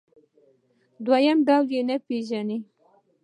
دویم ډول یې نه پېژني.